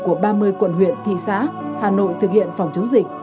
của ba mươi quận huyện thị xã hà nội thực hiện phòng chống dịch